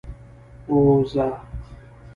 اوزه؟